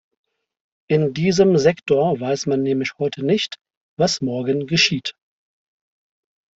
In diesem Sektor weiß man nämlich heute nicht, was morgen geschieht.